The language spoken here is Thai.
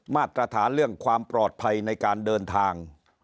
มาตรฐานเรื่องความปลอดภัยในการเดินทาง